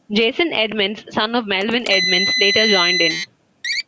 Jason Edmonds, son of Melvin Edmonds, later joined in.